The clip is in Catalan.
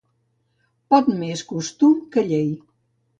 Pot més costum que llei.